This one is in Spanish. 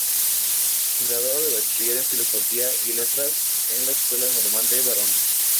Graduado de Bachiller en Filosofía y Letras en la "Escuela Normal de Varones".